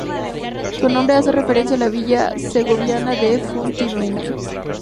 Su nombre hace referencia a la villa segoviana de Fuentidueña.